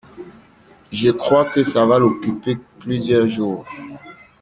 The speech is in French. Je crois que ça va l’occuper plusieurs jours.